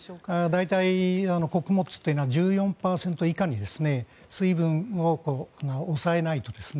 大体、穀物というのは１４％以下に水分を抑えないと。